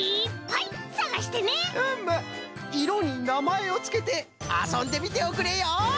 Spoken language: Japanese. いろになまえをつけてあそんでみておくれよ！